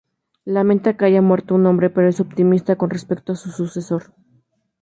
Lamenta que haya muerto un hombre pero es optimista con respecto a su sucesor.